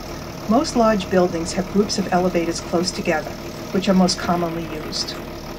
Most large buildings have groups of elevators close together, which are most commonly used.